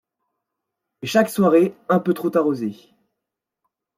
Et chaque soirée un peu trop arrosée.